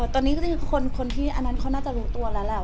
ตอนนี้ก็คือคนอันนั้นน่าของเขาค่อยจะรู้ตัวแล้ว